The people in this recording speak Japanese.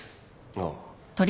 ああ。